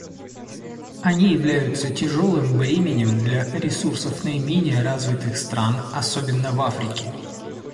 Они являются тяжелым бременем для ресурсов наименее развитых стран, особенно в Африке.